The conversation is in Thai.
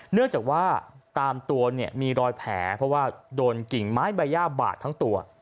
เนื่องจากว่าตามตัวเนี่ยมีรอยแผลเพราะว่าโดนกิ่งไม้ใบย่าบาดทั้งตัว